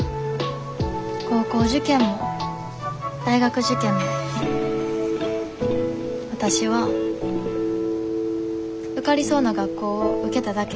高校受験も大学受験もわたしは受かりそうな学校を受けただけ。